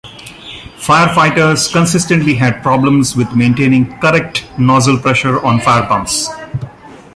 Firefighters consistently had problems with maintaining correct nozzle pressure on fire pumps.